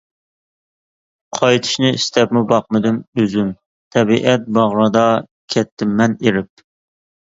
قايتىشنى ئىستەپمۇ باقمىدىم ئۆزۈم، تەبىئەت باغرىدا كەتتىم مەن ئېرىپ.